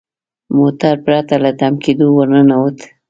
موټر پرته له تم کیدو ور ننوت.